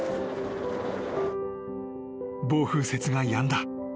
［暴風雪がやんだ。